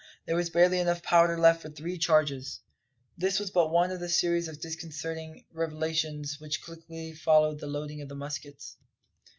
There was barely enough powder left for three charges. This was but one of a series of disconcerting revelations which quickly followed the loading of the muskets.